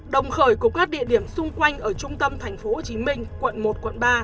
đồng khởi của các địa điểm xung quanh ở trung tâm thành phố hồ chí minh quận một quận ba